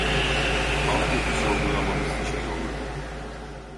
Altyapı sorgulamanız için yolladım